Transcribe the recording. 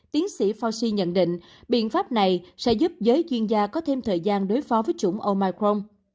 tiến sĩ fauci nhận định biện pháp này sẽ giúp giới chuyên gia có thêm thời gian đối phó với chủng omicron